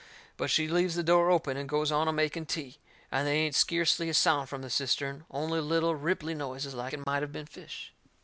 But she leaves the door open and goes on a making tea, and they ain't skeercly a sound from that cistern, only little, ripply noises like it might have been fish.